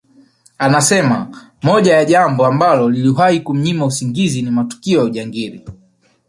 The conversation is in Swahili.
Anasema moja ya jambo ambalo liliwahi kumnyima usingizi ni matukio ya ujangili